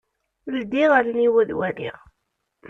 Ldiɣ allen-iw ad waliɣ.